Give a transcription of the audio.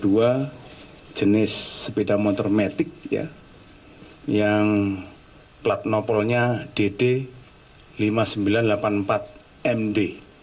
yaitu sepeda motor metik yang platnopolnya dd lima ribu sembilan ratus delapan puluh empat md